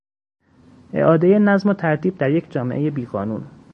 اعادهی نظم و ترتیب در یک جامعهی بیقانون